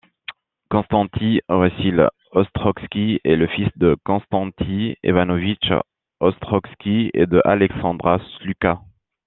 Konstanty Wasyl Ostrogski est le fils de Konstanty Iwanowicz Ostrogski et de Aleksandra Słucka.